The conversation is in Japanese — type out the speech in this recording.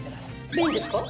いいんですか？